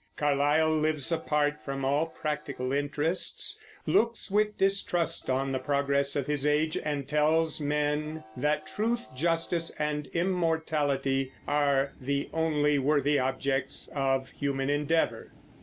Carlyle lives apart from all practical interests, looks with distrust on the progress of his age, and tells men that truth, justice, and immortality are the only worthy objects of human endeavor.